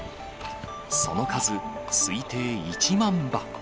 その数推定１万羽。